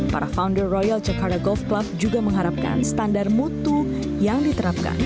para founder royal jakarta golf club juga mengharapkan standar mutu yang diterapkan